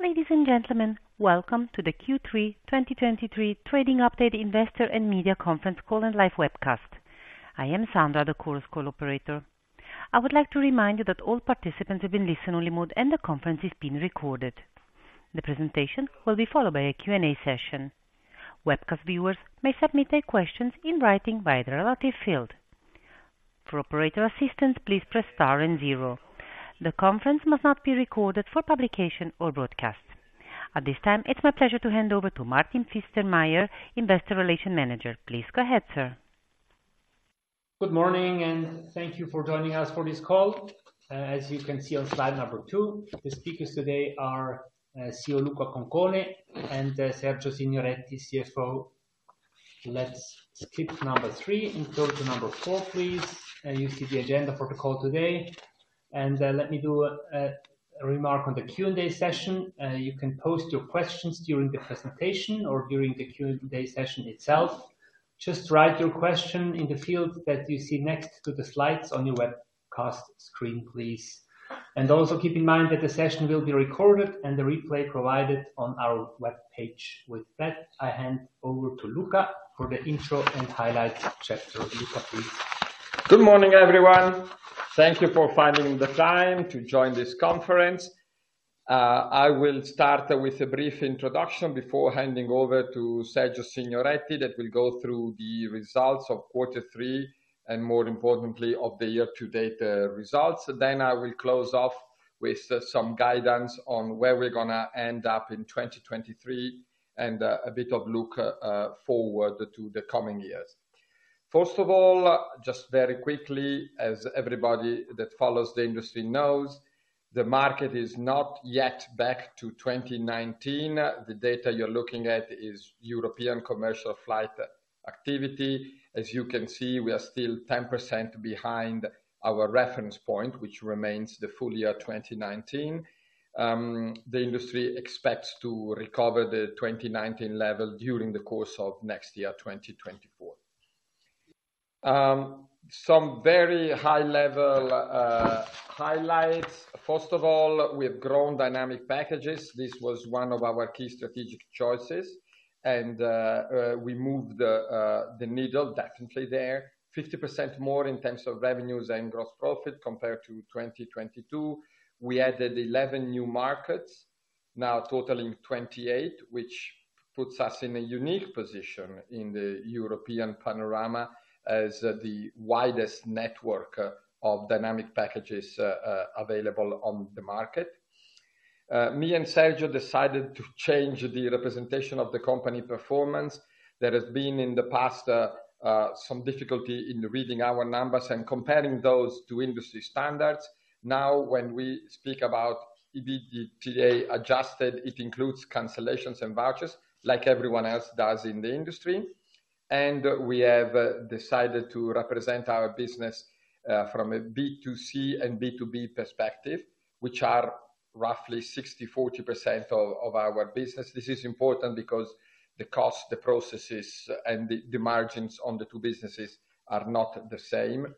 Ladies and gentlemen, welcome to the Q3 2023 Trading Update Investor and Media Conference Call and Live Webcast. I am [Sandra], the Chorus Call operator. I would like to remind you that all participants have been in listen-only mode, and the conference is being recorded. The presentation will be followed by a Q&A session. Webcast viewers may submit their questions in writing via the relative field. For operator assistance, please press star and zero. The conference must not be recorded for publication or broadcast. At this time, it's my pleasure to hand over to Martin Meier-Pfister, Investor Relations Manager. Please go ahead, sir. Good morning, and thank you for joining us for this call. As you can see on slide number two, the speakers today are CEO Luca Concone and Sergio Signoretti, CFO. Let's skip number three and go to number four, please. You see the agenda for the call today, and let me do a remark on the Q&A session. You can post your questions during the presentation or during the Q&A session itself. Just write your question in the field that you see next to the slides on your webcast screen, please. And also keep in mind that the session will be recorded and the replay provided on our webpage. With that, I hand over to Luca for the intro and highlight chapter. Luca, please. Good morning, everyone. Thank you for finding the time to join this conference. I will start with a brief introduction before handing over to Sergio Signoretti, that will go through the results of quarter three and more importantly, of the year-to-date, results. Then I will close off with, some guidance on where we're gonna end up in 2023, and, a bit of look, forward to the coming years. First of all, just very quickly, as everybody that follows the industry knows, the market is not yet back to 2019. The data you're looking at is European commercial flight activity. As you can see, we are still 10% behind our reference point, which remains the full year, 2019. The industry expects to recover the 2019 level during the course of next year, 2024. Some very high-level highlights. First of all, we have grown dynamic packages. This was one of our key strategic choices, and we moved the needle definitely there. 50% more in terms of revenues and gross profit compared to 2022. We added 11 new markets, now totaling 28, which puts us in a unique position in the European panorama as the widest networker of dynamic packages available on the market. Me and Sergio decided to change the representation of the company performance. There has been in the past some difficulty in reading our numbers and comparing those to industry standards. Now, when we speak about adjusted EBITDA, it includes cancellations and vouchers, like everyone else does in the industry. We have decided to represent our business from a B2C and B2B perspective, which are roughly 60/40% of our business. This is important because the cost, the processes, and the margins on the two businesses are not the same.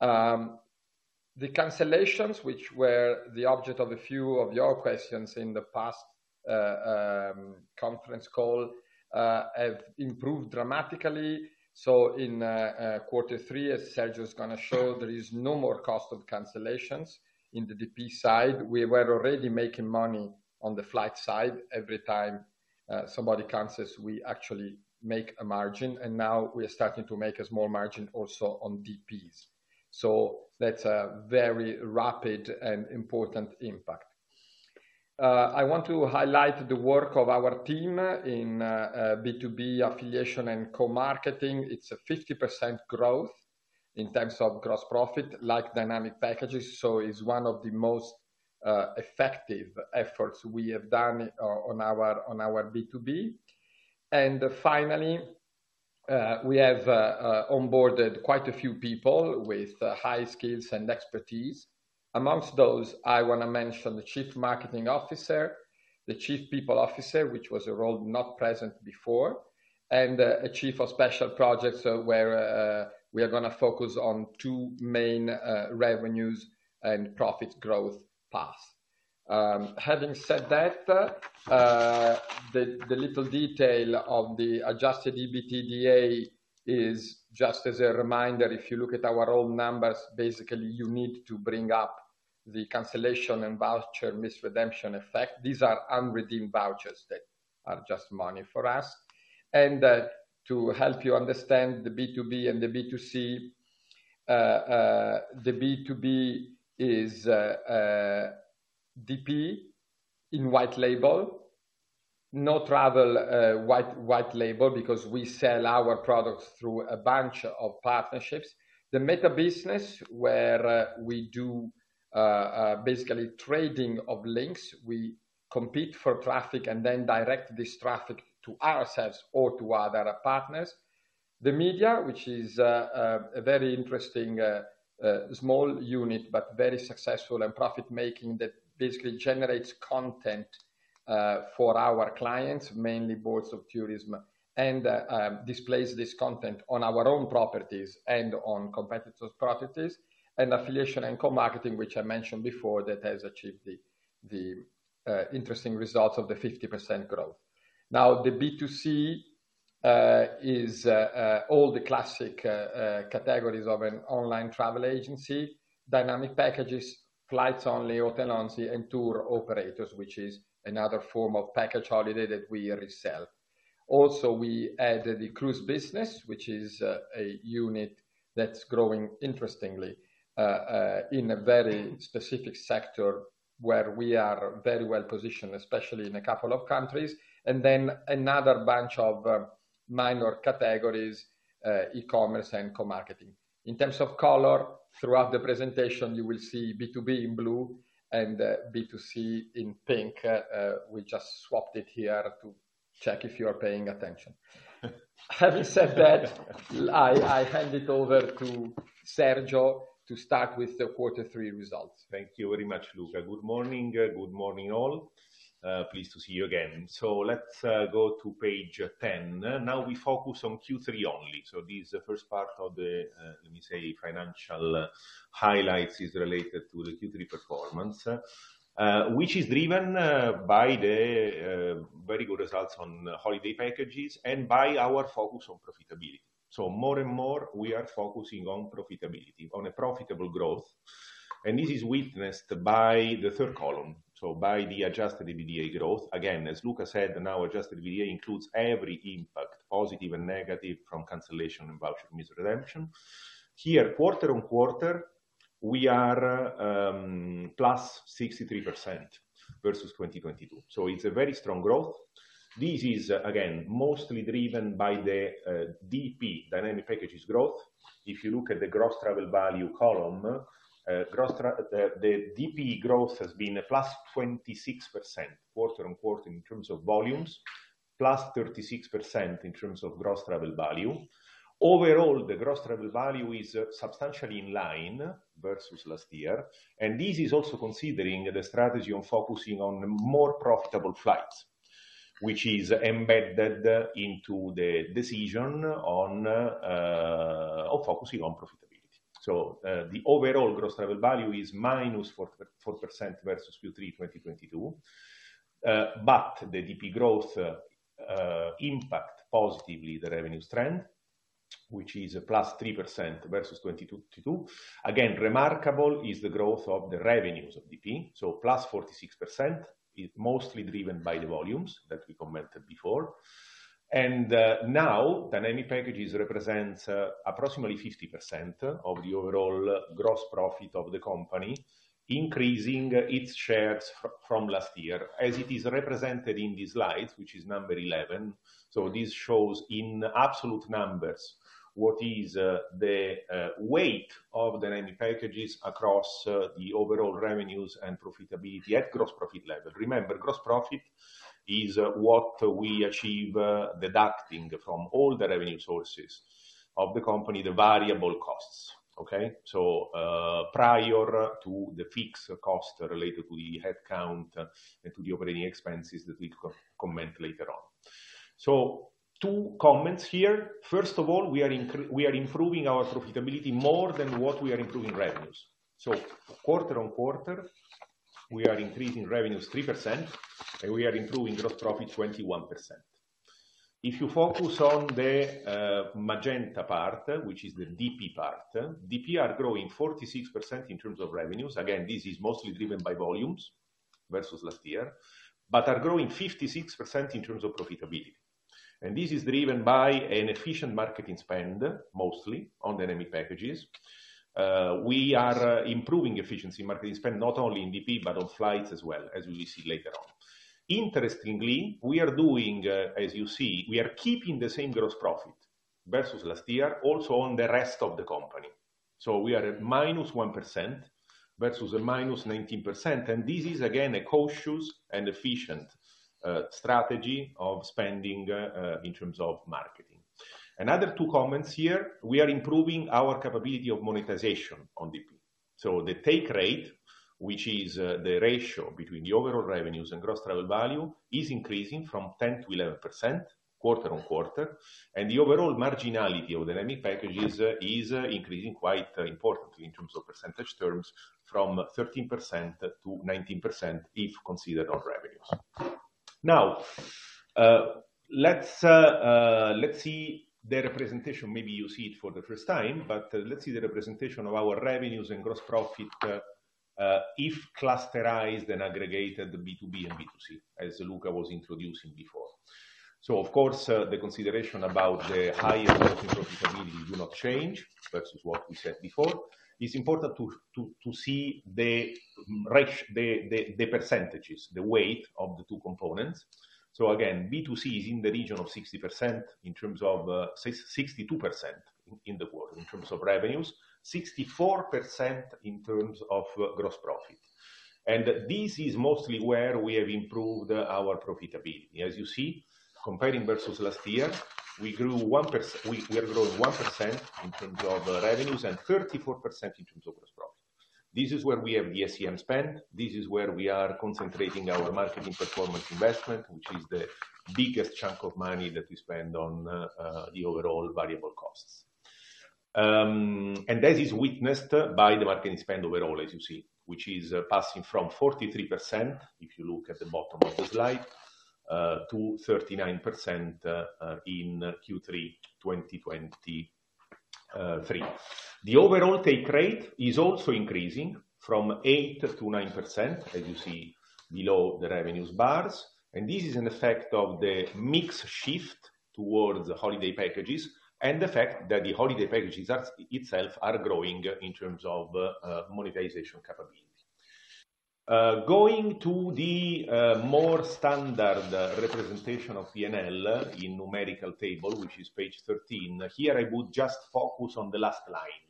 The cancellations, which were the object of a few of your questions in the past conference call, have improved dramatically. So in quarter three, as Sergio is gonna show, there is no more cost of cancellations in the DP side. We were already making money on the flight side. Every time somebody cancels, we actually make a margin, and now we are starting to make a small margin also on DPs. So that's a very rapid and important impact. I want to highlight the work of our team in B2B affiliation and co-marketing. It's a 50% growth in terms of gross profit, like Dynamic Packages, so it's one of the most effective efforts we have done on our B2B. And finally, we have onboarded quite a few people with high skills and expertise. Amongst those, I wanna mention the Chief Marketing Officer, the Chief People Officer, which was a role not present before, and a Chief of Special Projects, where we are gonna focus on two main revenues and profit growth paths. Having said that, the little detail of the Adjusted EBITDA is just as a reminder, if you look at our old numbers, basically, you need to bring up the cancellation and voucher misredemption effect. These are unredeemed vouchers that are just money for us. To help you understand the B2B and the B2C, the B2B is DP in white label, non-travel, white label, because we sell our products through a bunch of partnerships. The meta business, where we do basically trading of links. We compete for traffic and then direct this traffic to ourselves or to other partners. The media, which is a very interesting small unit, but very successful and profit-making, that basically generates content for our clients, mainly boards of tourism, and displays this content on our own properties and on competitors' properties, and affiliation and co-marketing, which I mentioned before, that has achieved the interesting results of the 50% growth. Now, the B2C-... is all the classic categories of an online travel agency: dynamic packages, flights only, hotel only, and tour operators, which is another form of package holiday that we resell. Also, we added the cruise business, which is a unit that's growing interestingly in a very specific sector where we are very well positioned, especially in a couple of countries. And then another bunch of minor categories, e-commerce and co-marketing. In terms of color, throughout the presentation, you will see B2B in blue and B2C in pink. We just swapped it here to check if you are paying attention. Having said that, I hand it over to Sergio to start with the quarter three results. Thank you very much, Luca. Good morning. Good morning, all. Pleased to see you again. So let's go to page 10. Now we focus on Q3 only. So this is the first part of the, let me say, financial highlights is related to the Q3 performance, which is driven by the very good results on holiday packages and by our focus on profitability. So more and more, we are focusing on profitability, on a profitable growth, and this is witnessed by the third column, so by the Adjusted EBITDA growth. Again, as Luca said, now Adjusted EBITDA includes every impact, positive and negative, from cancellation and voucher misredemption. Here, quarter-on-quarter, we are plus 63% versus 2022. So it's a very strong growth. This is, again, mostly driven by the DP, Dynamic Packages growth. If you look at the gross travel value column, the DP growth has been a +26% quarter-on-quarter in terms of volumes, +36% in terms of gross travel value. Overall, the gross travel value is substantially in line versus last year, and this is also considering the strategy on focusing on more profitable flights, which is embedded into the decision on focusing on profitability. So, the overall gross travel value is -4.4% versus Q3 2022. But the DP growth impact positively the revenue trend, which is a +3% versus 2022. Again, remarkable is the growth of the revenues of DP, so +46%, is mostly driven by the volumes that we commented before. Now, Dynamic Packages represents approximately 50% of the overall gross profit of the company, increasing its shares from last year, as it is represented in this slide, which is number 11. So this shows in absolute numbers what is the weight of the Dynamic Packages across the overall revenues and profitability at gross profit level. Remember, gross profit is what we achieve deducting from all the revenue sources of the company, the variable costs. Okay? So, prior to the fixed cost related to the headcount and to the operating expenses that we comment later on. So two comments here. First of all, we are improving our profitability more than what we are improving revenues. So quarter-over-quarter, we are increasing revenues 3%, and we are improving gross profit 21%. If you focus on the, magenta part, which is the DP part, DP are growing 46% in terms of revenues. Again, this is mostly driven by volumes versus last year, but are growing 56% in terms of profitability. And this is driven by an efficient marketing spend, mostly on Dynamic Packages. We are improving efficiency in marketing spend, not only in DP, but on flights as well, as we will see later on. Interestingly, we are doing, as you see, we are keeping the same gross profit versus last year, also on the rest of the company. So we are at -1% versus a -19%, and this is again, a cautious and efficient, strategy of spending, in terms of marketing. Another two comments here: we are improving our capability of monetization on DP. So the take rate, which is the ratio between the overall revenues and gross travel value, is increasing from 10%-11% quarter-on-quarter, and the overall marginality of Dynamic Packages is increasing quite importantly in terms of percentage terms, from 13%-19%, if considered on revenues. Now, let's see the representation. Maybe you see it for the first time, but let's see the representation of our revenues and gross profit, if clusterized and aggregated, the B2B and B2C, as Luca was introducing before. So of course, the consideration about the highest profit profitability will not change versus what we said before. It's important to see the percentages, the weight of the two components. So again, B2C is in the region of 60% in terms of 62% in the world, in terms of revenues, 64% in terms of gross profit. And this is mostly where we have improved our profitability. As you see, comparing versus last year, we have grown 1% in terms of revenues and 34% in terms of gross profit. This is where we have the SEM spend. This is where we are concentrating our marketing performance investment, which is the biggest chunk of money that we spend on the overall variable costs. And that is witnessed by the marketing spend overall, as you see, which is passing from 43%, if you look at the bottom of the slide, to 39% in Q3 in 2023. The overall take rate is also increasing from 8%-9%, as you see below the revenues bars, and this is an effect of the mix shift towards holiday packages and the fact that the holiday packages are, itself are growing in terms of, monetization capability. Going to the, more standard representation of PNL in numerical table, which is page 13. Here I would just focus on the last line,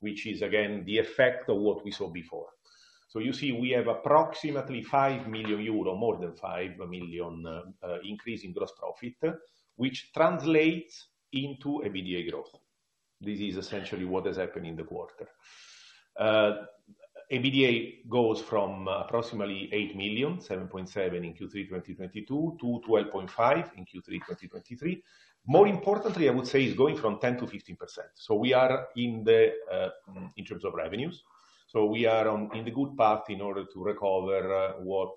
which is again, the effect of what we saw before. So you see, we have approximately 5 million euro, more than 5 million, increase in gross profit, which translates into EBDA growth. This is essentially what has happened in the quarter. EBDA goes from approximately 8 million, 7.7 in Q3 2022 to 12.5 in Q3 2023. More importantly, I would say it's going from 10%-15%. So we are in the, in terms of revenues. So we are on, in the good path in order to recover, what,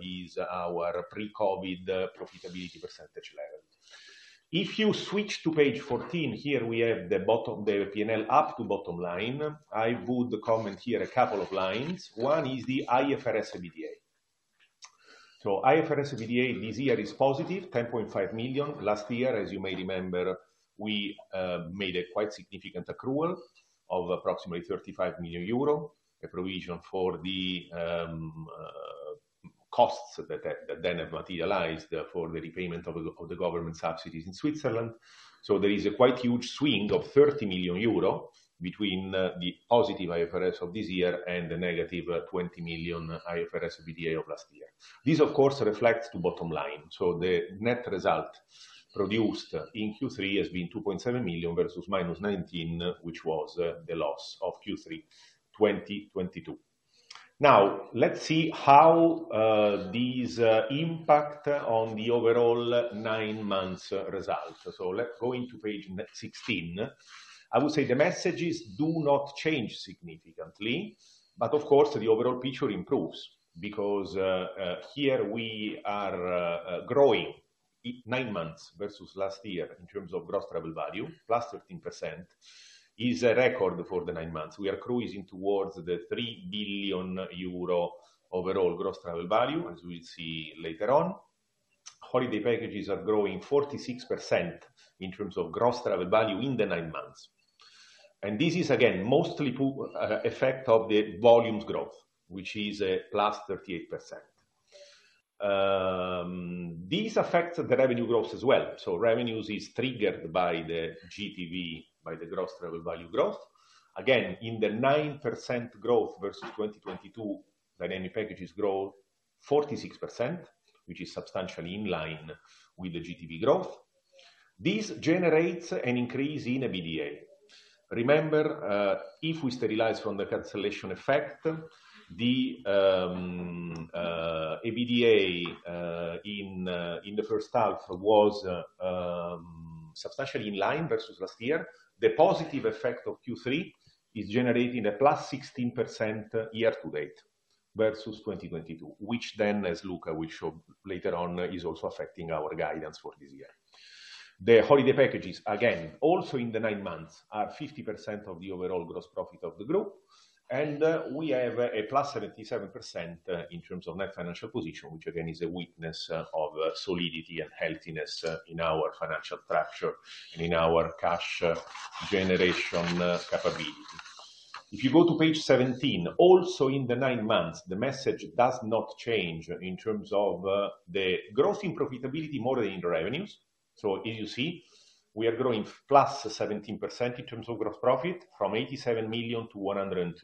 is our pre-COVID profitability percentage level. If you switch to page 14, here we have the bottom, the P&L up to bottom line. I would comment here a couple of lines. One is the IFRS EBITDA. So IFRS EBITDA this year is positive, 10.5 million. Last year, as you may remember, we made a quite significant accrual of approximately 35 million euro, a provision for the costs that then materialized for the repayment of the government subsidies in Switzerland. So there is a quite huge swing of 30 million euro between the positive IFRS of this year and the negative 20 million IFRS EBITDA of last year. This, of course, reflects the bottom line. So the net result produced in Q3 has been 2.7 million versus minus 19 million, which was the loss of Q3 2022. Now, let's see how these impact on the overall nine months result. So let's go into page 16. I would say the messages do not change significantly, but of course, the overall picture improves because here we are growing in nine months versus last year in terms of gross travel value, +13% is a record for the nine months. We are cruising towards the 3 billion euro overall gross travel value, as we'll see later on. Holiday packages are growing 46% in terms of gross travel value in the nine months. And this is again, mostly effect of the volumes growth, which is plus 38%. This affects the revenue growth as well. So revenues is triggered by the GTV, by the gross travel value growth. Again, in the 9% growth versus 2022, dynamic packages grow 46%, which is substantially in line with the GTV growth. This generates an increase in EBITDA. Remember, if we sterilize from the cancellation effect, the EBITDA in the first half was substantially in line versus last year. The positive effect of Q3 is generating a +16% year to date versus 2022, which then, as Luca will show later on, is also affecting our guidance for this year. The holiday packages, again, also in the nine months, are 50% of the overall gross profit of the group, and we have a +77%, in terms of net financial position, which again, is a witness of solidity and healthiness, in our financial structure and in our cash generation, capability. If you go to page 17, also in the nine months, the message does not change in terms of, the growth in profitability more than in the revenues. So as you see, we are growing +17% in terms of gross profit, from 87 million-102 million,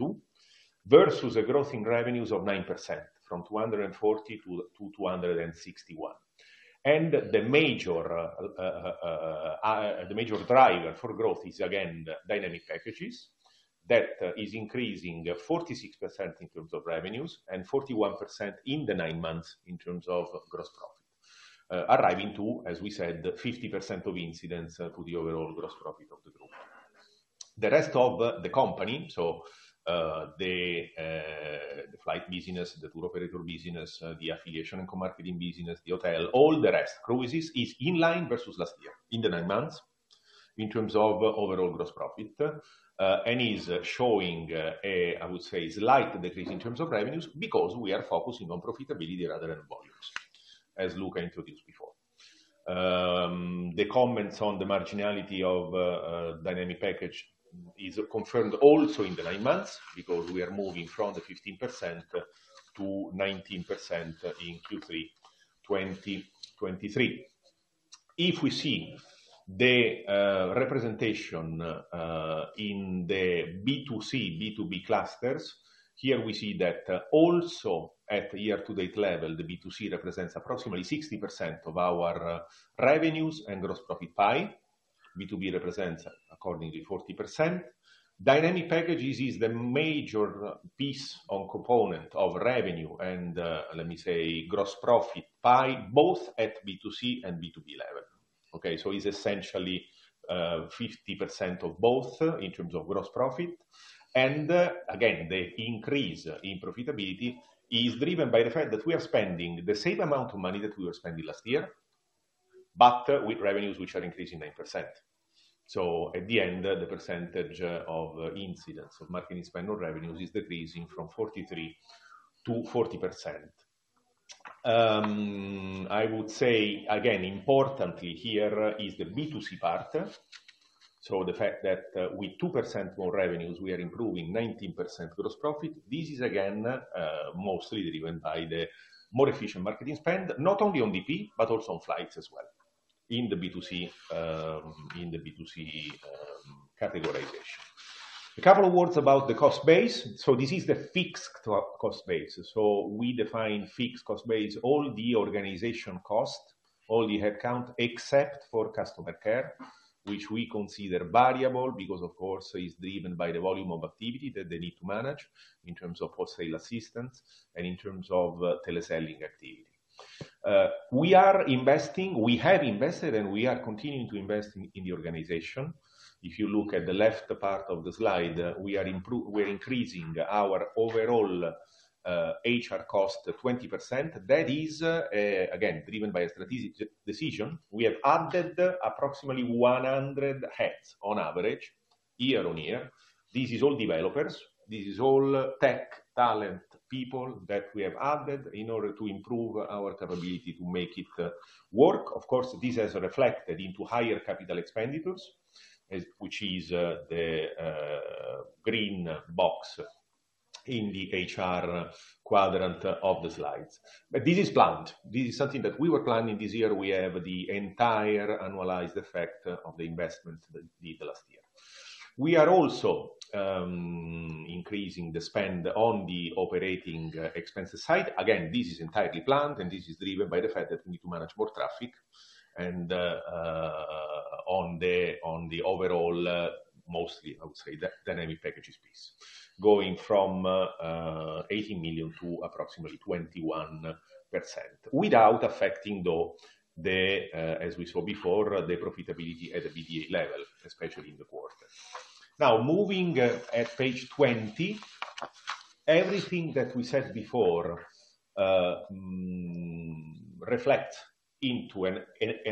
versus a growth in revenues of 9%, from 240 million-261 million. And the major driver for growth is again, dynamic packages. That is increasing 46% in terms of revenues and 41% in the nine months in terms of gross profit. Arriving to, as we said, 50% of incidence for the overall gross profit of the group. The rest of the company, so, the flight business, the tour operator business, the affiliation and co-marketing business, the hotel, all the rest, cruises, is in line versus last year, in the nine months, in terms of overall gross profit, and is showing, I would say, a slight decrease in terms of revenues because we are focusing on profitability rather than volumes, as Luca introduced before. The comments on the marginality of dynamic package is confirmed also in the nine months, because we are moving from the 15%-19% in Q3 2023. If we see the representation in the B2C, B2B clusters, here we see that also at year to date level, the B2C represents approximately 60% of our revenues and gross profit pie. B2B represents accordingly 40%. Dynamic Packages is the major piece or component of revenue and let me say, gross profit pie, both at B2C and B2B level. Okay, so it's essentially 50% of both in terms of gross profit. And again, the increase in profitability is driven by the fact that we are spending the same amount of money that we were spending last year, but with revenues which are increasing 9%. So at the end, the percentage of incidence of marketing spend on revenues is decreasing from 43%-40%. I would say, again, importantly here is the B2C part, so the fact that, with 2% more revenues, we are improving 19% gross profit. This is again, mostly driven by the more efficient marketing spend, not only on DP, but also on flights as well, in the B2C, in the B2C categorization. A couple of words about the cost base. So this is the fixed cost base. So we define fixed cost base, all the organization cost, all the headcount, except for customer care, which we consider variable, because, of course, it's driven by the volume of activity that they need to manage in terms of wholesale assistance and in terms of, teleselling activity. We are investing, we have invested, and we are continuing to invest in, in the organization. If you look at the left part of the slide, we are-- we're increasing our overall HR cost to 20%. That is, again, driven by a strategic decision. We have added approximately 100 heads on average, year-on-year. This is all developers. This is all tech talent, people that we have added in order to improve our capability to make it work. Of course, this has reflected into higher capital expenditures, as which is the green box in the HR quadrant of the slides. But this is planned. This is something that we were planning this year. We have the entire annualized effect of the investment that we did last year. We are also increasing the spend on the operating expenses side. Again, this is entirely planned, and this is driven by the fact that we need to manage more traffic and, on the overall, mostly, I would say, the dynamic packages piece, going from 18 million to approximately 21%, without affecting, though, the, as we saw before, the profitability at the EBITDA level, especially in the quarter. Now, moving at page 20, everything that we said before reflect into an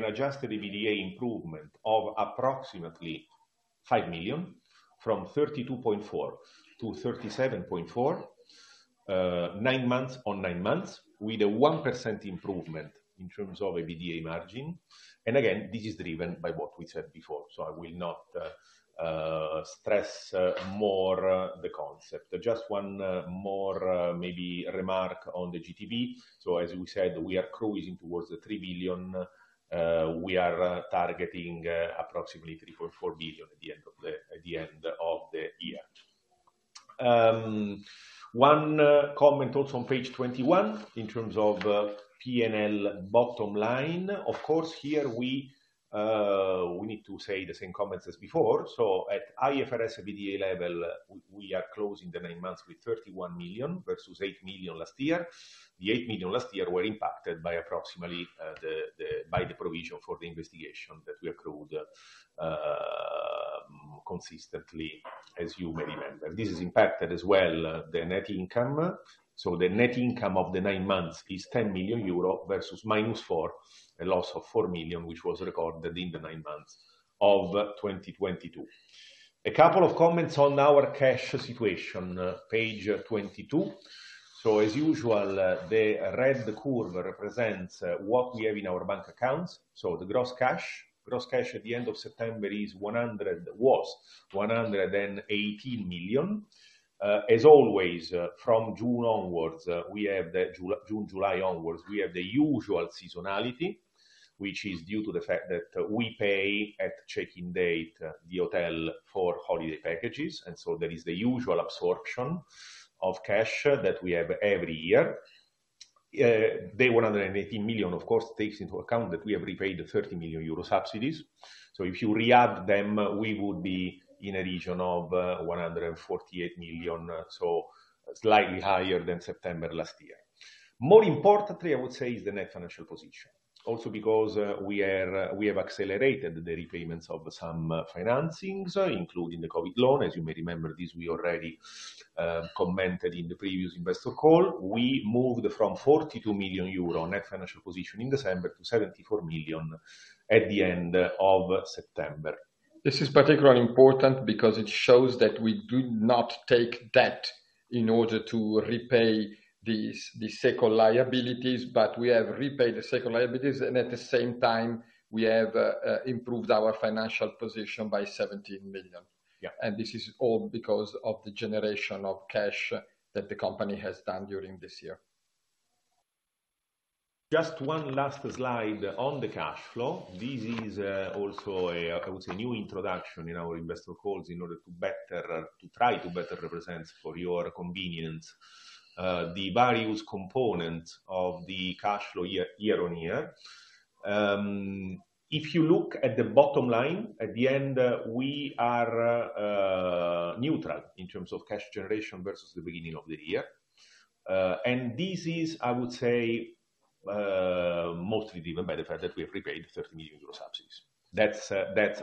adjusted EBITDA improvement of approximately 5 million, from 32.4 million-37.4 million, nine months on nine months, with a 1% improvement in terms of EBITDA margin. And again, this is driven by what we said before, so I will not stress more the concept. Just one more maybe remark on the GTV. So as we said, we are cruising towards the 3 billion. We are targeting approximately 3.4 billion at the end of the year. One comment also on page 21, in terms of P&L bottom line. Of course, here we need to say the same comments as before. So at IFRS EBITDA level, we are closing the nine months with 31 million versus 8 million last year. The 8 million last year were impacted by approximately the provision for the investigation that we accrued consistently, as you may remember. This has impacted as well the net income. So the net income of the nine months is 10 million euro versus -4 million, a loss of 4 million, which was recorded in the nine months of 2022. A couple of comments on our cash situation, page 22. So as usual, the red curve represents what we have in our bank accounts. So the gross cash, gross cash at the end of September was 118 million. As always, from June, July onwards, we have the usual seasonality, which is due to the fact that we pay at check-in date the hotel for holiday packages, and so there is the usual absorption of cash that we have every year. The 118 million, of course, takes into account that we have repaid the 30 million euro subsidies. So if you re-add them, we would be in a region of 148 million, so slightly higher than September last year. More importantly, I would say, is the net financial position. Also because, we are, we have accelerated the repayments of some, financings, including the COVID loan. As you may remember this, we already, commented in the previous investor call. We moved from 42 million euro net financial position in December to 74 million at the end of September. This is particularly important because it shows that we do not take debt in order to repay these, the second liabilities, but we have repaid the second liabilities, and at the same time, we have improved our financial position by 17 million. Yeah. This is all because of the generation of cash that the company has done during this year. Just one last slide on the cash flow. This is also a, I would say, new introduction in our investor calls in order to better, to try to better represent for your convenience, the various components of the cash flow year-on-year. If you look at the bottom line, at the end, we are neutral in terms of cash generation versus the beginning of the year. And this is, I would say, mostly driven by the fact that we have repaid 30 million euro subsidies. That's,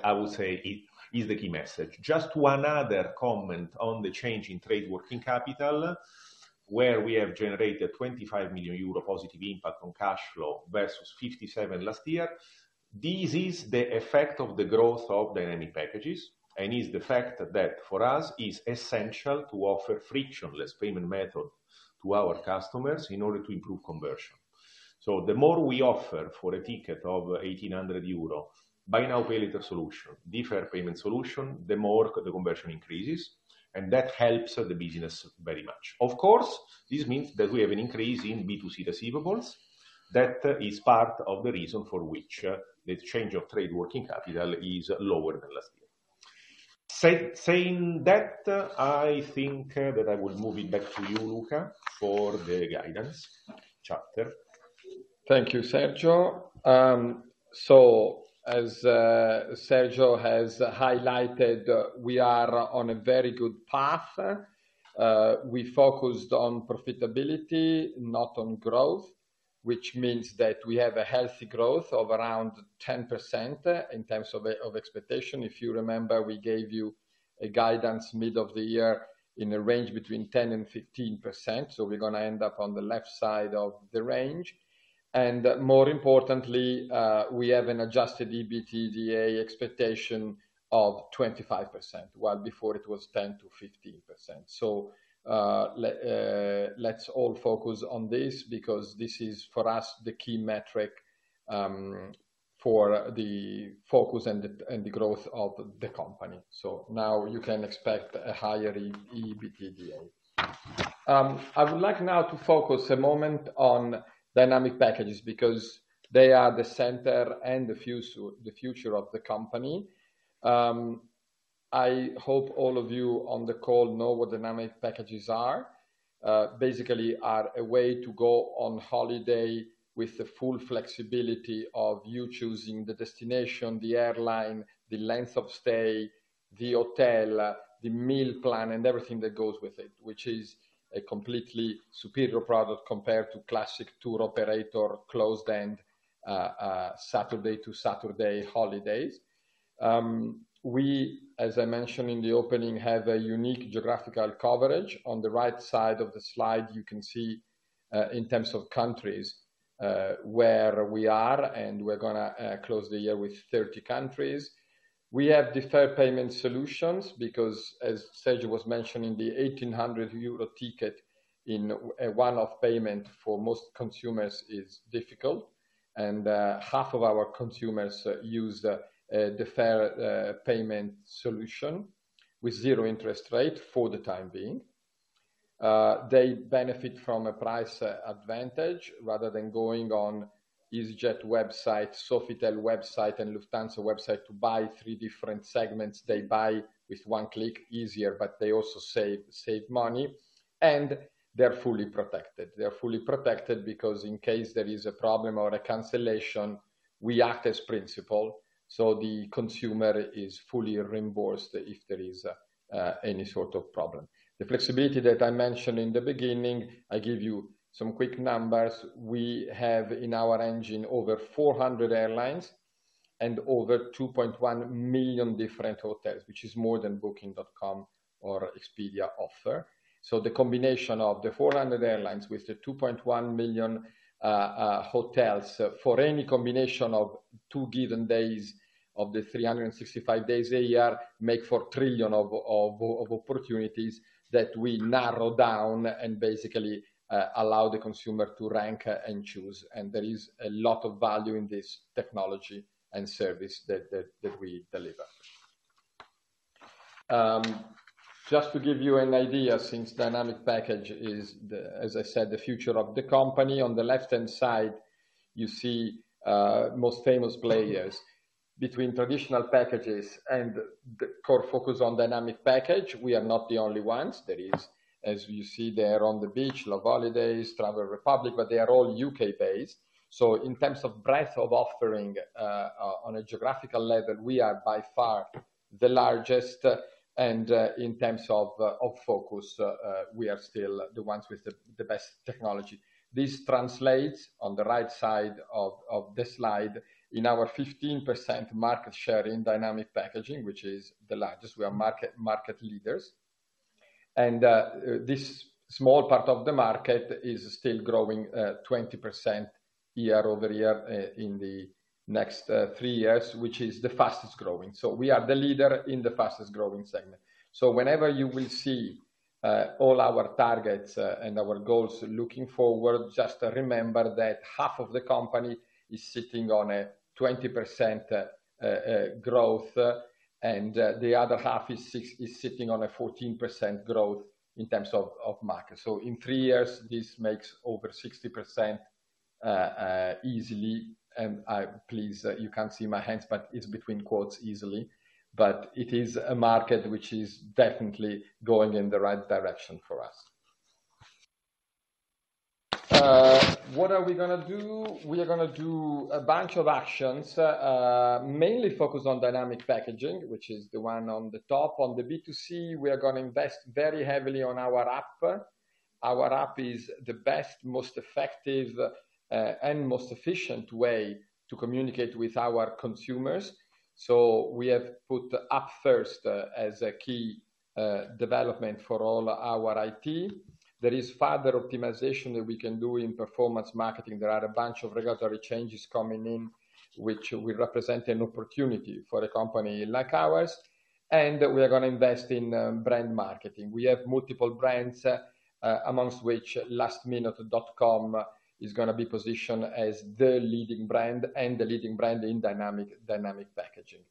I would say, is the key message. Just one other comment on the change in Trade Working Capital, where we have generated 25 million euro positive impact on cash flow versus 57 million last year. This is the effect of the growth of dynamic packages, and is the fact that for us, is essential to offer frictionless payment method to our customers in order to improve conversion. So the more we offer for a ticket of 1,800 euro, buy now, pay later solution, deferred payment solution, the more the conversion increases, and that helps the business very much. Of course, this means that we have an increase in B2C receivables. That is part of the reason for which the change of trade working capital is lower than last year. Saying that, I think, that I will move it back to you, Luca, for the guidance chapter. Thank you, Sergio. So as Sergio has highlighted, we are on a very good path. We focused on profitability, not on growth, which means that we have a healthy growth of around 10% in terms of of expectation. If you remember, we gave you a guidance mid of the year in a range between 10% and 15%, so we're gonna end up on the left side of the range. More importantly, we have an adjusted EBITDA expectation of 25%, while before it was 10%-15%. So let's all focus on this, because this is, for us, the key metric, for the focus and the and the growth of the company. So now you can expect a higher EBITDA. I would like now to focus a moment on dynamic packages, because they are the center and the future of the company. I hope all of you on the call know what dynamic packages are. Basically, are a way to go on holiday with the full flexibility of you choosing the destination, the airline, the length of stay, the hotel, the meal plan, and everything that goes with it, which is a completely superior product compared to classic tour operator, closed-end, Saturday to Saturday holidays. We, as I mentioned in the opening, have a unique geographical coverage. On the right side of the slide, you can see, in terms of countries, where we are, and we're gonna close the year with 30 countries. We have deferred payment solutions, because as Sergio was mentioning, the 1,800 euro ticket in a one-off payment for most consumers is difficult, and half of our consumers use a deferred payment solution with 0% interest rate for the time being. They benefit from a price advantage. Rather than going on EasyJet website, Sofitel website, and Lufthansa website to buy three different segments, they buy with one click easier, but they also save, save money, and they're fully protected. They're fully protected because in case there is a problem or a cancellation, we act as principal, so the consumer is fully reimbursed if there is any sort of problem. The flexibility that I mentioned in the beginning, I give you some quick numbers. We have in our engine, over 400 airlines and over 2.1 million different hotels, which is more than Booking.com or Expedia offer. So the combination of the 400 airlines with the 2.1 million hotels, for any combination of two given days of the 365 days a year, make 4 trillion opportunities that we narrow down and basically allow the consumer to rank and choose. And there is a lot of value in this technology and service that we deliver. Just to give you an idea, since dynamic package is the, as I said, the future of the company, on the left-hand side, you see most famous players. Between traditional packages and the core focus on dynamic package, we are not the only ones. There is, as you see there On the Beach, loveholidays, Travel Republic, but they are all UK-based. So in terms of breadth of offering, on a geographical level, we are by far the largest, and, in terms of, of focus, we are still the ones with the, the best technology. This translates on the right side of, of the slide in our 15% market share in dynamic packaging, which is the largest. We are market, market leaders. And, this small part of the market is still growing 20% year-over-year, in the next, three years, which is the fastest growing. So we are the leader in the fastest growing segment. So whenever you will see all our targets and our goals looking forward, just remember that half of the company is sitting on a 20% growth, and the other half is sitting on a 14% growth in terms of market. So in three years, this makes over 60% easily, and I—please, you can't see my hands, but it's between quotes, "easily." But it is a market which is definitely going in the right direction for us. What are we gonna do? We are gonna do a bunch of actions mainly focused on dynamic packaging, which is the one on the top. On the B2C, we are gonna invest very heavily on our app. Our app is the best, most effective and most efficient way to communicate with our consumers. So we have put the app first, as a key development for all our IT. There is further optimization that we can do in performance marketing. There are a bunch of regulatory changes coming in, which will represent an opportunity for a company like ours, and we are gonna invest in, brand marketing. We have multiple brands, amongst which lastminute.com is gonna be positioned as the leading brand and the leading brand in dynamic, dynamic packaging.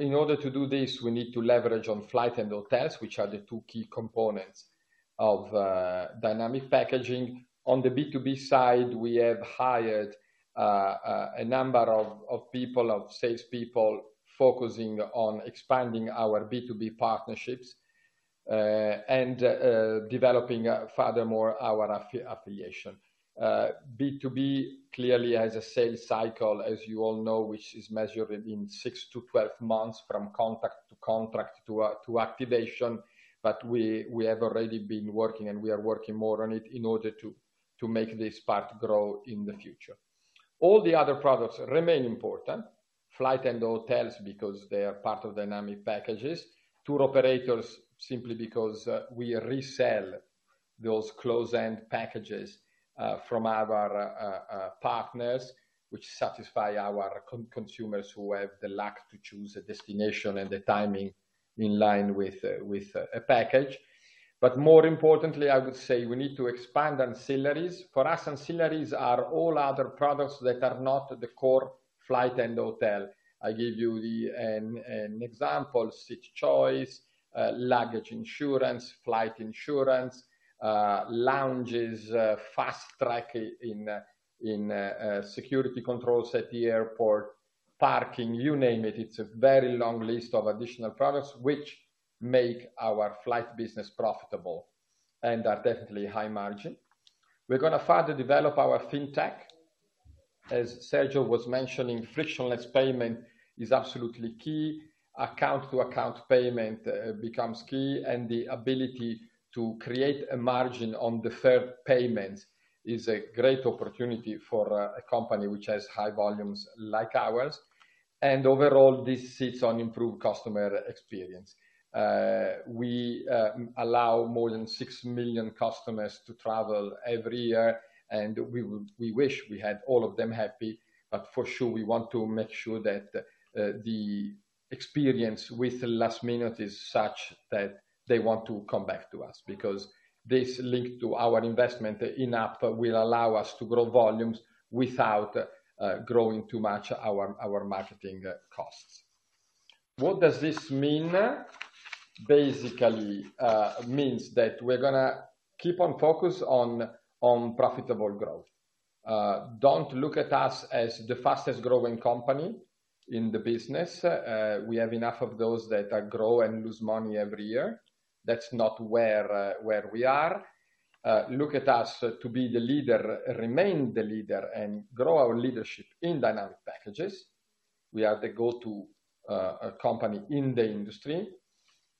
In order to do this, we need to leverage on flight and hotels, which are the two key components of, dynamic packaging. On the B2B side, we have hired a number of people, salespeople, focusing on expanding our B2B partnerships, and developing furthermore our affiliation. B2B clearly has a sales cycle, as you all know, which is measured within 6-12 months, from contact to contract to activation, but we have already been working, and we are working more on it in order to make this part grow in the future. All the other products remain important: flight and hotels, because they are part of dynamic packages, tour operators, simply because we resell those close-end packages from our partners, which satisfy our consumers who have the luck to choose a destination and the timing in line with a package. But more importantly, I would say we need to expand ancillaries. For us, ancillaries are all other products that are not the core flight and hotel. I give you the, an example, seat choice, luggage insurance, flight insurance, lounges, fast track in security controls at the airport, parking, you name it. It's a very long list of additional products which make our flight business profitable and are definitely high margin. We're gonna further develop our fintech. As Sergio was mentioning, frictionless payment is absolutely key. Account-to-account payment becomes key, and the ability to create a margin on the third payment is a great opportunity for a company which has high volumes like ours. And overall, this sits on improved customer experience. We allow more than 6 million customers to travel every year, and we wish we had all of them happy, but for sure, we want to make sure that the experience with Lastminute is such that they want to come back to us, because this link to our investment enough will allow us to grow volumes without growing too much our marketing costs. What does this mean? Basically, it means that we're gonna keep on focus on profitable growth. Don't look at us as the fastest growing company in the business. We have enough of those that grow and lose money every year. That's not where we are. Look at us to be the leader, remain the leader, and grow our leadership in dynamic packages. We are the go-to company in the industry.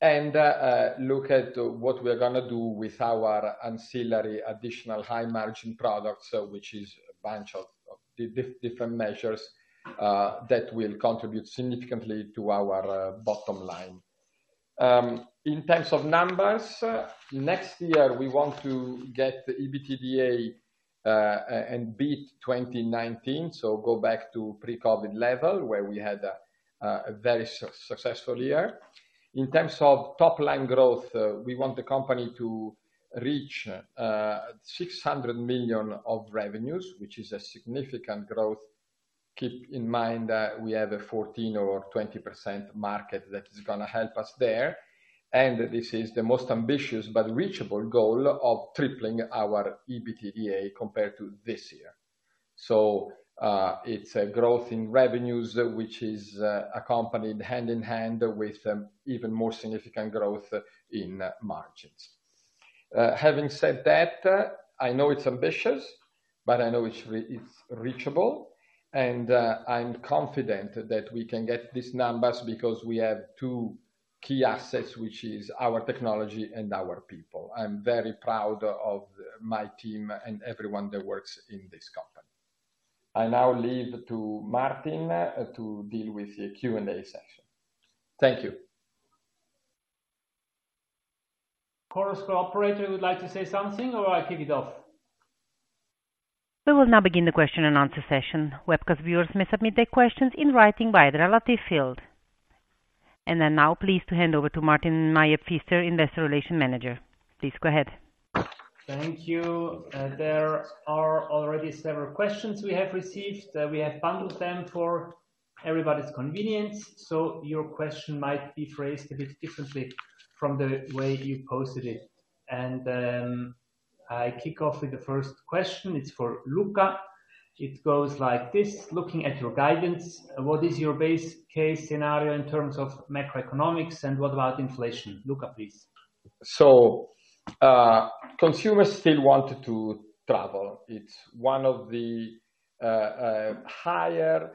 Look at what we are gonna do with our ancillary, additional high-margin products, which is a bunch of different measures that will contribute significantly to our bottom line. In terms of numbers, next year, we want to get the EBITDA and beat 2019, so go back to pre-COVID level, where we had a very successful year. In terms of top-line growth, we want the company to reach 600 million of revenues, which is a significant growth. Keep in mind that we have a 14% or 20% market that is gonna help us there, and this is the most ambitious but reachable goal of tripling our EBITDA compared to this year. So, it's a growth in revenues, which is accompanied hand-in-hand with even more significant growth in margins. Having said that, I know it's ambitious, but I know it's reachable, and I'm confident that we can get these numbers because we have two key assets, which is our technology and our people. I'm very proud of my team and everyone that works in this company. I now leave to Martin to deal with the Q&A session. Thank you. Chorus operator, would you like to say something, or I kick it off? We will now begin the question and answer session. Webcast viewers may submit their questions in writing via the relative field. I'm now pleased to hand over to Martin Meier-Pfister, Investor Relations Manager. Please go ahead. Thank you. There are already several questions we have received. We have bundled them for everybody's convenience, so your question might be phrased a bit differently from the way you posted it. I kick off with the first question. It's for Luca. It goes like this: Looking at your guidance, what is your base case scenario in terms of macroeconomics, and what about inflation? Luca, please.... So, consumers still wanted to travel. It's one of the higher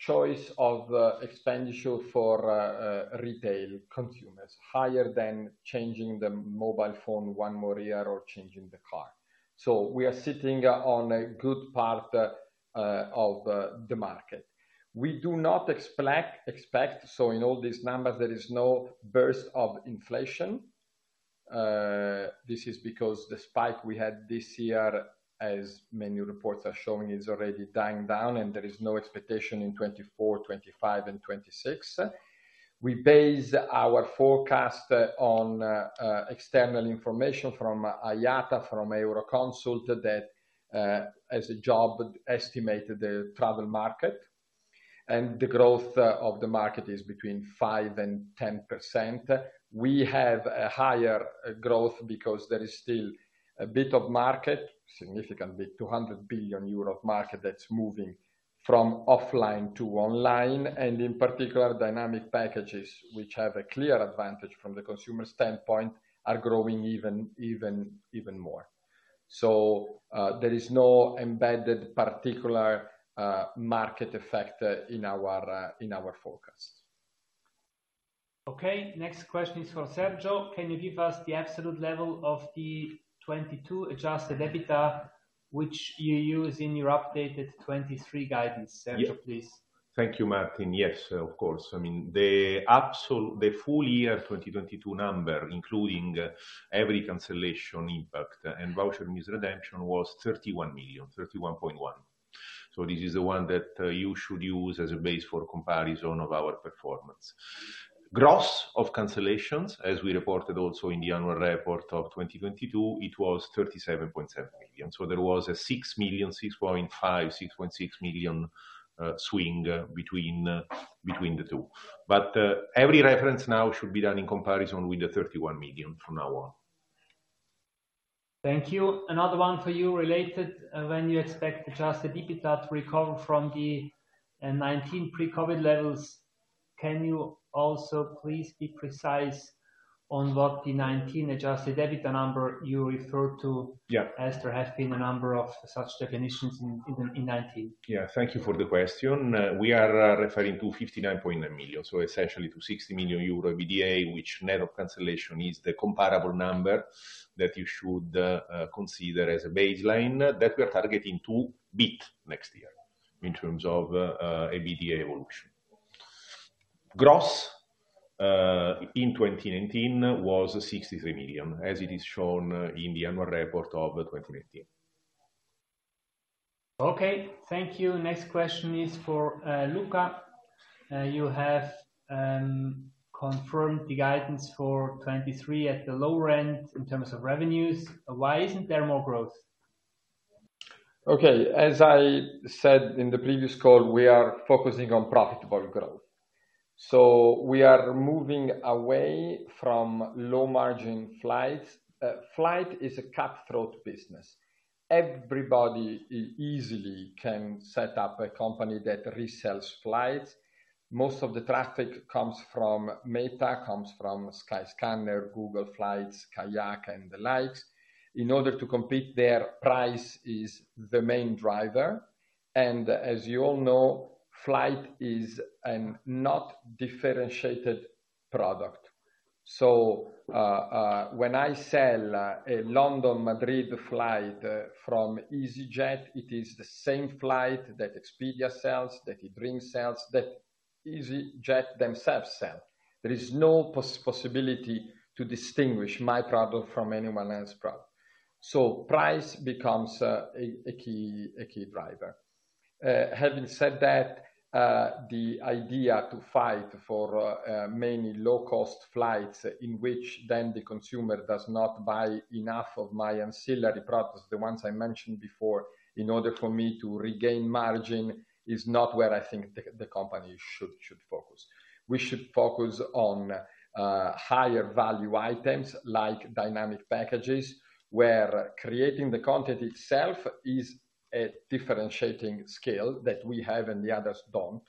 choice of expenditure for retail consumers, higher than changing the mobile phone one more year or changing the car. So we are sitting on a good part of the market. We do not expect so in all these numbers, there is no burst of inflation. This is because the spike we had this year, as many reports are showing, is already dying down, and there is no expectation in 2024, 2025, and 2026. We base our forecast on external information from IATA, from Euroconsult, that as a job estimated the travel market, and the growth of the market is between 5% and 10%. We have a higher growth because there is still a bit of market, significant bit, 200 billion euros of market that's moving from offline to online, and in particular, dynamic packages, which have a clear advantage from the consumer standpoint, are growing even, even, even more. So, there is no embedded particular market effect in our forecast. Okay, next question is for Sergio: Can you give us the absolute level of the 2022 Adjusted EBITDA, which you use in your updated 2023 guidance? Sergio, please. Thank you, Martin. Yes, of course. I mean, the full year 2022 number, including every cancellation impact and voucher misredemption, was 31 million, 31.1. So this is the one that you should use as a base for comparison of our performance. Gross of cancellations, as we reported also in the annual report of 2022, it was 37.7 million. So there was a 6 million, 6.5, 6.6 million swing between the two. But every reference now should be done in comparison with the 31 million from now on. Thank you. Another one for you related, when you expect Adjusted EBITDA to recover from the 2019 pre-COVID levels, can you also please be precise on what the 2019 Adjusted EBITDA number you referred to? Yeah. — as there have been a number of such definitions in 2019. Yeah. Thank you for the question. We are referring to 59.9 million. So essentially to 60 million euro EBITDA, which net of cancellation, is the comparable number that you should consider as a baseline that we are targeting to beat next year in terms of EBITDA evolution. Gross, in 2019 was 63 million, as it is shown, in the annual report of 2019. Okay. Thank you. Next question is for Luca. You have confirmed the guidance for 2023 at the lower end in terms of revenues. Why isn't there more growth? Okay. As I said in the previous call, we are focusing on profitable growth. So we are moving away from low-margin flights. Flight is a cutthroat business. Everybody easily can set up a company that resells flights. Most of the traffic comes from Meta, comes from Skyscanner, Google Flights, Kayak, and the likes. In order to compete, their price is the main driver, and as you all know, flight is a non-differentiated product. So, when I sell a London, Madrid flight from EasyJet, it is the same flight that Expedia sells, that eDreams sells, that EasyJet themselves sell. There is no possibility to distinguish my product from anyone else product, so price becomes a key driver. Having said that, the idea to fight for many low-cost flights, in which then the consumer does not buy enough of my ancillary products, the ones I mentioned before, in order for me to regain margin, is not where I think the company should focus. We should focus on higher value items, like dynamic packages, where creating the content itself is a differentiating skill that we have and the others don't,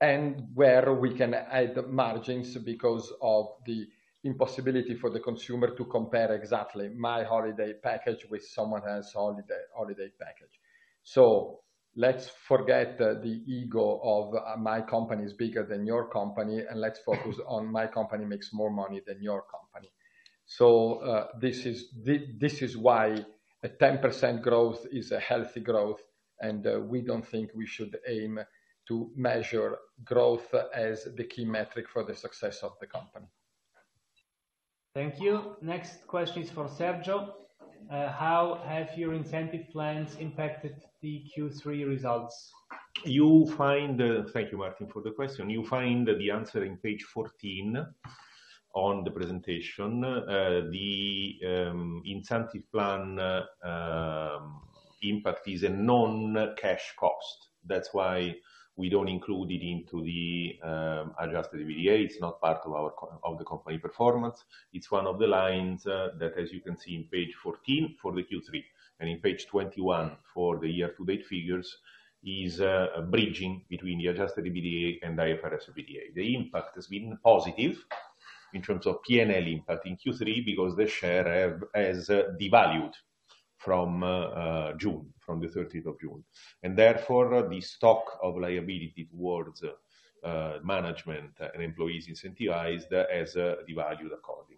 and where we can add margins because of the impossibility for the consumer to compare exactly my holiday package with someone else holiday package. So let's forget the ego of my company is bigger than your company, and let's focus on my company makes more money than your company. So, this is why a 10% growth is a healthy growth, and we don't think we should aim to measure growth as the key metric for the success of the company. Thank you. Next question is for Sergio. How have your incentive plans impacted the Q3 results? Thank you, Martin, for the question. You find the answer in page 14 on the presentation. The incentive plan impact is a non-cash cost. That's why we don't include it into the adjusted EBITDA. It's not part of our co-- of the company performance. It's one of the lines that, as you can see in page 14 for the Q3 and in page 21 for the year-to-date figures, is a bridging between the Adjusted EBITDA and IFRS EBITDA. The impact has been positive in terms of PNL impact in Q3, because the share have, has, devalued from June, from the 13th of June, and therefore, the stock of liability towards management and employees incentivized as devalued accordingly.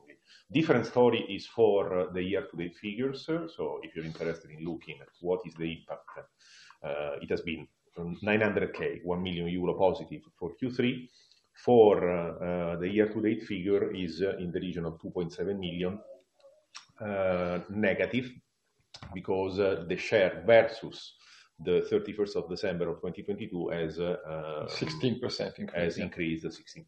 Different story is for the year-to-date figures. So if you're interested in looking at what is the impact, it has been from 900,000-1 million euro positive for Q3. For the year-to-date figure is in the region of 2.7 million negative, because the share versus the 31st of December of 2022 has 16%, I think. Has increased to 16%.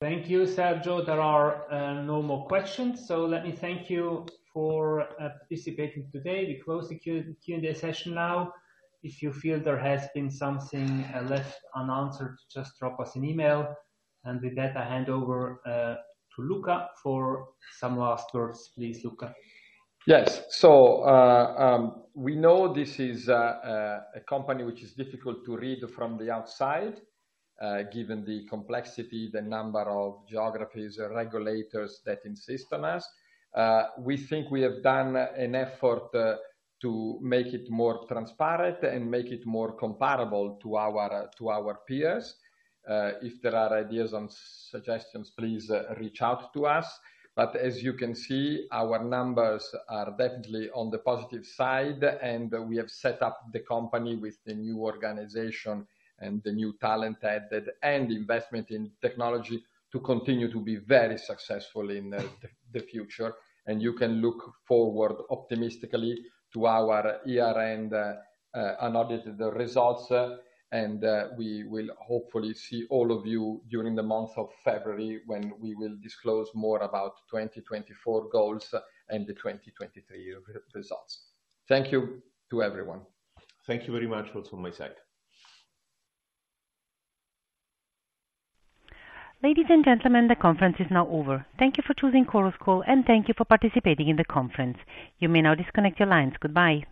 Thank you, Sergio. There are no more questions, so let me thank you for participating today. We close the Q&A session now. If you feel there has been something left unanswered, just drop us an email, and with that, I hand over to Luca for some last words. Please, Luca. Yes. So, we know this is a company which is difficult to read from the outside, given the complexity, the number of geographies and regulators that insist on us. We think we have done an effort to make it more transparent and make it more comparable to our peers. If there are ideas and suggestions, please, reach out to us. But as you can see, our numbers are definitely on the positive side, and we have set up the company with the new organization and the new talent added, and investment in technology to continue to be very successful in the future. You can look forward optimistically to our year-end, unaudited results, and we will hopefully see all of you during the month of February, when we will disclose more about 2024 goals and the 2023 year results. Thank you to everyone. Thank you very much also on my side. Ladies and gentlemen, the conference is now over. Thank you for choosing Chorus Call, and thank you for participating in the conference. You may now disconnect your lines. Goodbye.